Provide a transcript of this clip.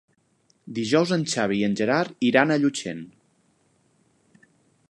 Dijous en Xavi i en Gerard iran a Llutxent.